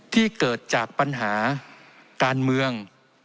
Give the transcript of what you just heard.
ที่เกิดจากปัญหาการเมือง